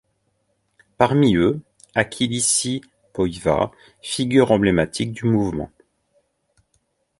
Parmi eux, ʻAkilisi Pohiva, figure emblématique du mouvement.